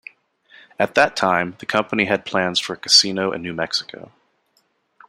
At that time, the company had plans for a casino in New Mexico.